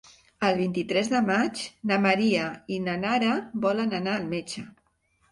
El vint-i-tres de maig na Maria i na Nara volen anar al metge.